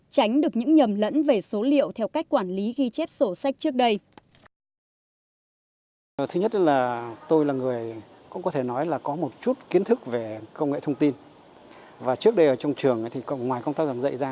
tránh được những nhầm lẫn về số liệu theo cách quản lý ghi chép sổ sách trước đây